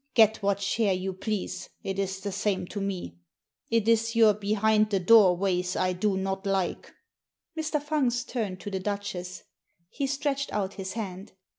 Get what share you please. It is the same to me. It is your behind the door ways I do not like." Mr. Fungst turned to the Duchess. He stretched out his hand.